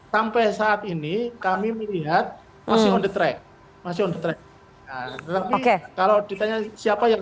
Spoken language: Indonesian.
sampai saat ini kami melihat masih on the track masih on the track kalau ditanya siapa yang